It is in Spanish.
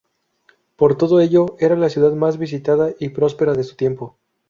Por todo ello, era la ciudad más visitada y próspera de su tiempo.